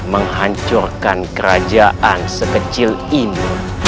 menghancurkan kerajaan sekecil ini